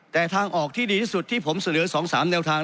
แต่ทางออกที่ดีที่สุดที่ผมเสนอ๒๓แนวทาง